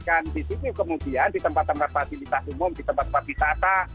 dan di sini kemudian di tempat tempat fasilitas umum di tempat tempat wisata